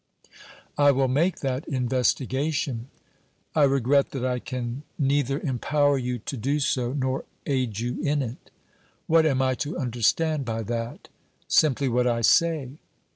"I will make that investigation." "I regret that I can neither empower you to do so nor aid you in it!" "What am I to understand by that?" "Simply what I say."